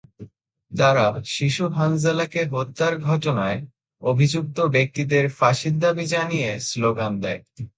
তাঁরা শিশু হানজালাকে হত্যার ঘটনায় অভিযুক্ত ব্যক্তিদের ফাঁসির দাবি জানিয়ে স্লোগান দেন।